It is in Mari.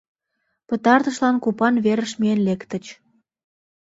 Пытартышлан купан верыш миен лектыч.